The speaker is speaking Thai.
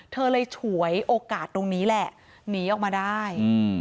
เธอเลยฉวยโอกาสตรงนี้แหละหนีออกมาได้